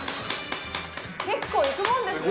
結構いくもんですね！